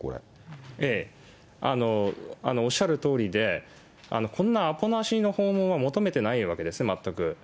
おっしゃるとおりで、こんなアポなしの訪問は求めてないわけですね、全く。